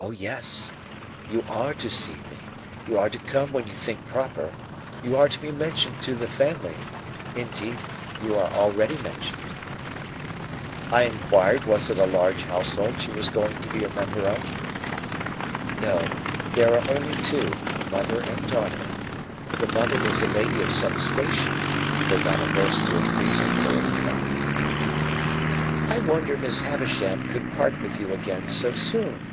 "O yes, you are to see me; you are to come when you think proper; you are to be mentioned to the family; indeed you are already mentioned." I inquired was it a large household she was going to be a member of? "No; there are only two; mother and daughter. The mother is a lady of some station, though not averse to increasing her income." "I wonder Miss Havisham could part with you again so soon."